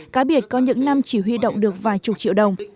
cá biệt có những năm chỉ huy động được vài chục triệu đồng